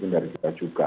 dari kita juga